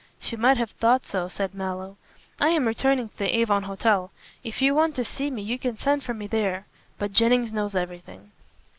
"She might have thought so," said Mallow. "I am returning to the Avon Hotel. If you want to see me you can send for me there. But Jennings knows everything."